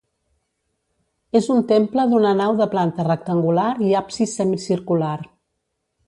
És un temple d'una nau de planta rectangular i absis semicircular.